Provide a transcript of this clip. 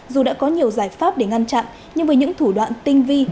dù đã có nhiều giải pháp để ngăn chặn nhưng với những thủ đoạn tinh vi